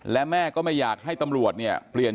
และแม่ก็ไม่อยากให้ตำรวจเนี่ย